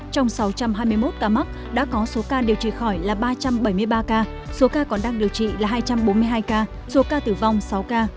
trong sáu trăm hai mươi một ca mắc đã có số ca điều trị khỏi là ba trăm bảy mươi ba ca số ca còn đang điều trị là hai trăm bốn mươi hai ca số ca tử vong sáu ca